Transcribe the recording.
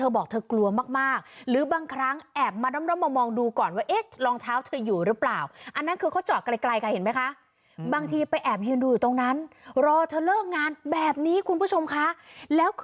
แบบนี้แบบนี้คุณผู้ชมค่ะ